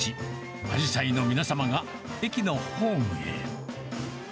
あじさいの皆様が駅のホームへ。